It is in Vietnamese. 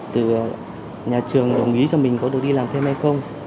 từ nhà trường đồng ý cho mình có được đi làm thêm hay không